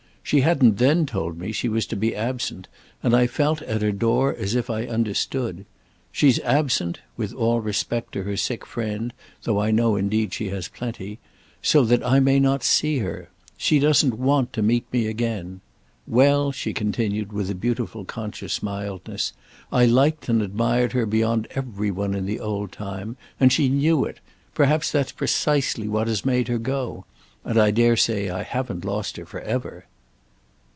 She hadn't then told me she was to be absent, and I felt at her door as if I understood. She's absent—with all respect to her sick friend, though I know indeed she has plenty—so that I may not see her. She doesn't want to meet me again. Well," she continued with a beautiful conscious mildness, "I liked and admired her beyond every one in the old time, and she knew it—perhaps that's precisely what has made her go—and I dare say I haven't lost her for ever."